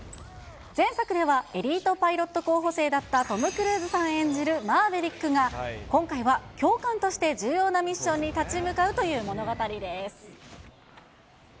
前作ではエリートパイロット候補生だったトム・クルーズさん演じるマーヴェリックが、今回は教官として重要なミッションに立ち向かうという物語です。